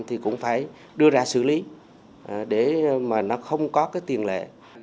thì cũng phải đưa ra xử lý để mà nó không có cái tiền lệ